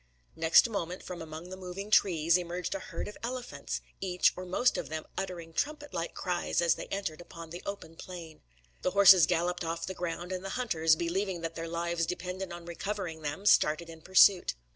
Next moment, from among the moving trees, emerged a herd of elephants, each or most of them uttering trumpet like cries as they entered upon the open plain. The horses galloped off the ground; and the hunters, believing that their lives depended on recovering them, started in pursuit.